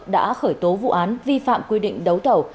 đã khởi tố vụ án vi phạm quy định đấu thầu